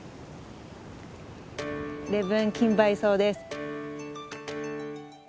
レブンキンバイソウです。